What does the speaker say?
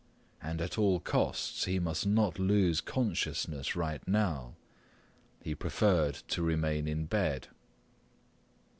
And at all costs he must not lose consciousness right now. He preferred to remain in bed.